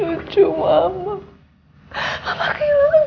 harus kayak gambar di anal ko ini